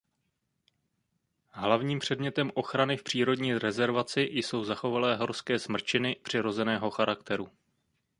Hlavním předmětem ochrany v přírodní rezervaci jsou zachovalé horské smrčiny přirozeného charakteru.